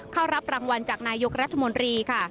เข้ารับรางวัลจากนายกรัฐมนตรีค่ะ